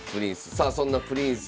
さあそんなプリンス